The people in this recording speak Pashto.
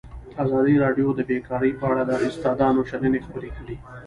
ازادي راډیو د بیکاري په اړه د استادانو شننې خپرې کړي.